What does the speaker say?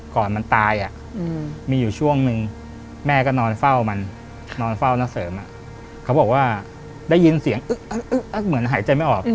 เขาบอกว่าได้ยินเสียงเหมือนหายใจไม่ออก